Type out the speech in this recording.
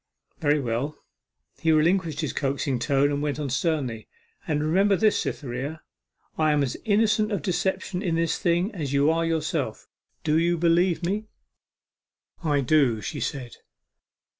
'Very well.' He relinquished his coaxing tone, and went on sternly: 'And remember this, Cytherea, I am as innocent of deception in this thing as you are yourself. Do you believe me?' 'I do,' she said.